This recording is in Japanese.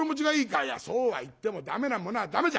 「いやそうは言っても駄目なものは駄目じゃ。